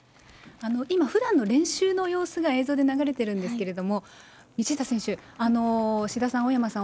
今、ふだんの練習の様子が映像で流れてるんですけれども、道下選手、志田さん、青山さん